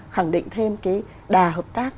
khẳng định thêm cái đà hợp tác